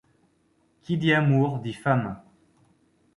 Qui dit amour, dit femme.